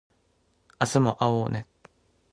明日も会おうね